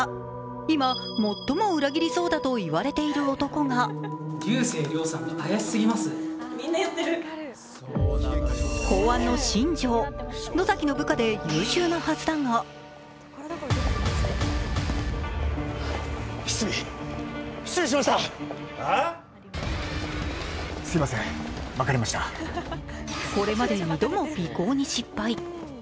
今、最も裏切りそうだといわれている男が公安の新庄、野崎の部下で優秀なはずだがこれまで２度も尾行に失敗！